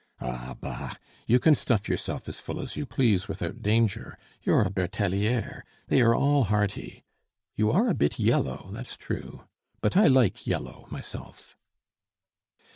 "Ah, bah! you can stuff yourself as full as you please without danger, you're a Bertelliere; they are all hearty. You are a bit yellow, that's true; but I like yellow, myself."